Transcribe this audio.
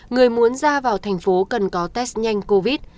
người muốn ra vào thành phố cần có test nhanh covid